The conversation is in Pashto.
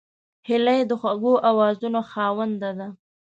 هیلۍ د خوږو آوازونو خاوند ده